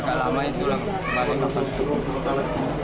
agak lama itu lah kembali ke atas